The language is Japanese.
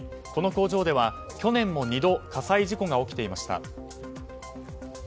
この工場では去年も２度火災事故が起きていました。